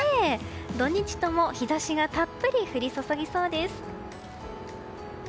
土日とも日差しがたっぷり降り注ぎそうです。